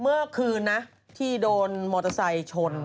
เมื่อคืนนะที่โดนมอเตอร์ไซค์ชน